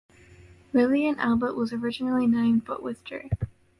Lilian Albert was originally named but withdrew.